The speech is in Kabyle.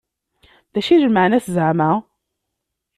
D acu d lmeεna-s zeεma?